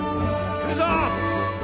来るぞ！